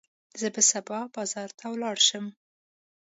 زه به سبا بازار ته ولاړ شم.